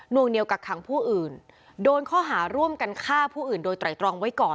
วงเหนียวกักขังผู้อื่นโดนข้อหาร่วมกันฆ่าผู้อื่นโดยไตรตรองไว้ก่อน